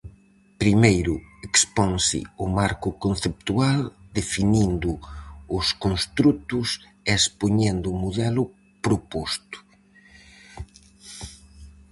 Primeiro exponse o marco conceptual, definindo os construtos e expoñendo o modelo proposto.